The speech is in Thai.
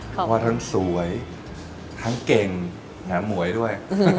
เพราะว่าทั้งสวยทั้งเก่งแถมหมวยด้วย